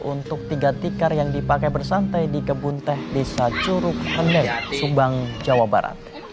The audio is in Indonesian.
untuk tiga tikar yang dipakai bersantai di kebun teh desa curug hene subang jawa barat